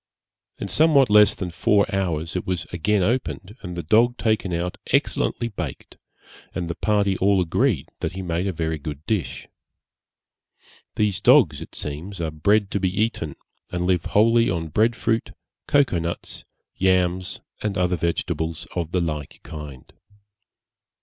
In somewhat less than four hours, it was again opened, and the dog taken out excellently baked, and the party all agreed that he made a very good dish. These dogs it seems are bred to be eaten, and live wholly on bread fruit, cocoa nuts, yams, and other vegetables of the like kind.